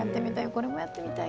これもやってみたい。